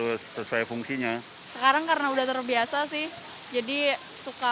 masker kan banyak jadi harus sesuai fungsinya sekarang karena udah terbiasa sih jadi suka